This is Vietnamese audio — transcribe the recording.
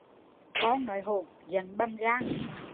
Con nói hỗn, giận bầm gan